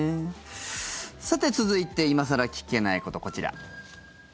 さて、続いて今更聞けないこと、こちら。